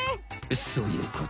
そういうこと。